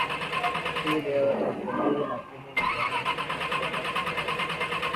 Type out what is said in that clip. hii leo elfu mbili na kumi mimi napenda kusema